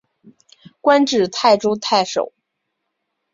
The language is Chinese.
官至泰州太守。